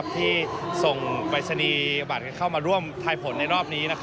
ที่ส่งรายละเอียดกับบาทเข้ามาร่วมทายผลในรอบนี้